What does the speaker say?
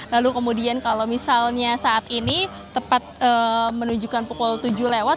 lalu kemudian kalau misalnya saat ini tepat menunjukkan pukul tujuh lewat